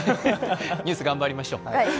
ニュース頑張りましょう。